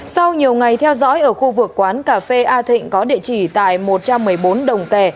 sau nhiều ngày theo dõi ở khu vực quán cà phê a thịnh có địa chỉ tại một trăm một mươi bốn đồng tè